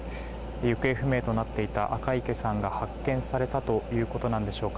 行方不明となっていた赤池さんが発見されたということなのでしょうか。